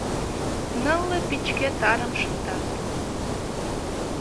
Нылле печке тарым шындат.